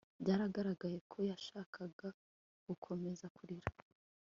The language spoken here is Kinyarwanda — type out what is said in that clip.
Byaragaragaye ko yashakaga gukomeza kurira